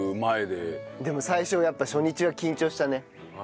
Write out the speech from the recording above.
でも最初やっぱ初日は緊張したね。